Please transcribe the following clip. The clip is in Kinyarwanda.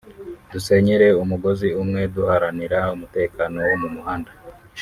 dusenyere umugozi umwe duharanire umutekano wo mu muhanda